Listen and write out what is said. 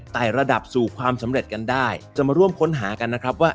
แต่ระดับสู่ความสำเร็จกันได้จะมาร่วมค้นหากันนะครับว่า